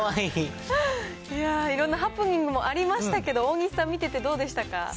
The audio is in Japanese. いやー、いろんなハプニングもありましたけど、大西さん、見ていてどうでしたか？